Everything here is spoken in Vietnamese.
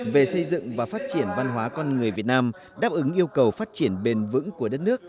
về xây dựng và phát triển văn hóa con người việt nam đáp ứng yêu cầu phát triển bền vững của đất nước